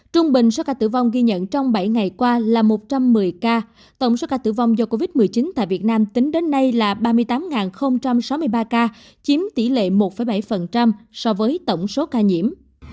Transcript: trung bình số ca tử vong ghi nhận trong bảy ngày qua là một trăm một mươi ca tổng số ca tử vong do covid một mươi chín tại việt nam tính đến nay là ba mươi tám sáu mươi ba ca chiếm tỷ lệ một bảy so với tổng số ca nhiễm